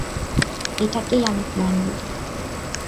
এটাকেই আমি প্ল্যান বলি।